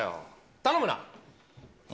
頼むな。